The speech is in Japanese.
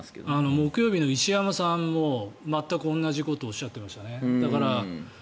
木曜日の石山さんも全く同じことをおっしゃっていましたね。